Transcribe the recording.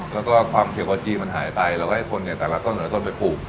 แล้วก็ความเกี่ยวกับจีมันหายไตแล้วก็ให้คนเนี้ยแต่ละต้นหรือละต้นไปปลูก